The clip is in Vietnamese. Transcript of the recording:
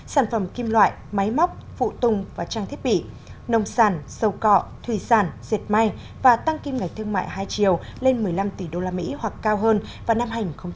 sản phẩm kim loại máy móc phụ tung và trang thiết bị nông sản sâu cọ thủy sản diệt may và tăng kim ngạch thương mại hai triệu lên một mươi năm tỷ usd hoặc cao hơn vào năm hai nghìn hai mươi